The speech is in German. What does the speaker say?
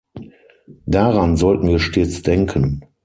Daran sollten wir stets denken.